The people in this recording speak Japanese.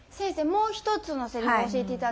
もう一つのセリフ教えていただけますか。